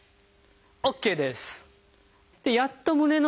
ＯＫです。